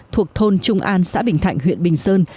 thuộc thôn trung an xã bình thạnh huyện bình sơn